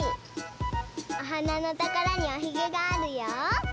おはなのところにおひげがあるよ。